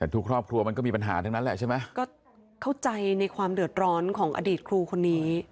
ทุกครอบครัวมันก็มีปัญหาทั้งนั้นฟังเข้าใจในความเดือดร้อนของอดีตครูคนี้